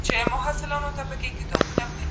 هغه خپل کتاب خپور کړ.